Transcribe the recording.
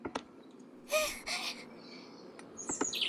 De esa manera logró familiarizarse con la arquitectura gótica y románica.